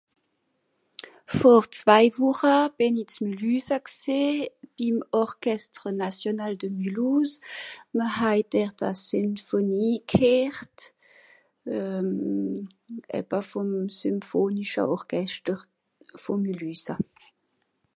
"Vor zwei Wùcha bìn i z'Mìlhüsa gsìì, ìm ""orchestre national de Mulhouse"". Mìr haa dert a Synphonie gheert, euh... ebba vùm Symphonische orcheschter vù Mìlhüsa."